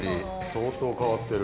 相当変わってる。